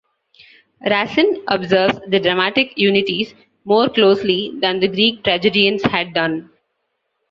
Racine observes the dramatic unities more closely than the Greek tragedians had done.